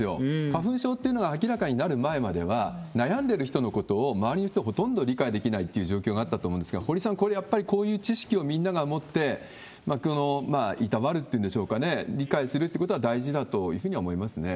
花粉症っていうのが明らかになる前までは、悩んでいる人のことを、周りの人がほとんど理解できないっていう状況があったと思うんですが、堀さん、これ、こういう知識をみんなが持って、いたわるっていうんでしょうかね、理解するってことが大事だというふうには思いますね。